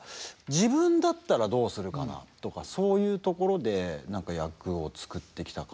自分だったらどうするかなとかそういうところで何か役を作ってきた感じがするので。